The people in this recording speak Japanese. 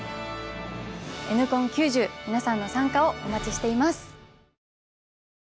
「Ｎコン９０」皆さんの参加をお待ちしています！